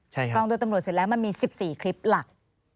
กองโดยตำรวจเสร็จแล้วมันมี๑๔คลิปหลัก